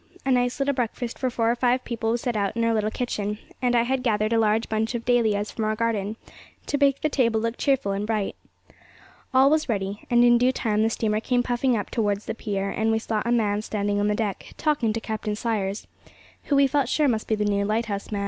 A nice little breakfast for four or five people was set out in our little kitchen, and I had gathered a large bunch of dahlias from our garden, to make the table look cheerful and bright. All was ready, and in due time the steamer came puffing up towards the pier, and we saw a man standing on the deck, talking to Captain Sayers, who we felt sure must be the new lighthouse man.